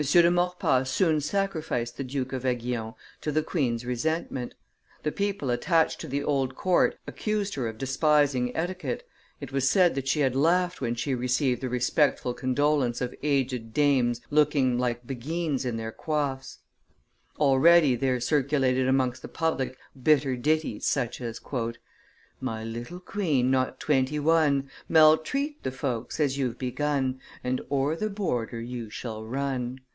de Maurepas soon sacrificed the Duke of Aiguillon to the queen's resentment; the people attached to the old court accused her of despising etiquette; it was said that she had laughed when she received the respectful condolence of aged dames looking like beguines in their coifs; already there circulated amongst the public bitter ditties, such as, My little queen, not twenty one, Maltreat the folks, as you've begun, And o'er the border you shall run.